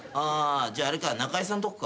じゃああれか中居さんとこか。